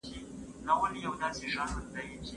د ښځو حقونه په نړیوالو قوانینو کي خوندي دي.